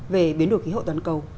về biến đổi khí hậu toàn cầu